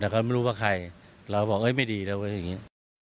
แต่เขาไม่รู้ว่าใครแต่เขาก็บอกเอ๊ะไม่ดีแล้วแบบนี้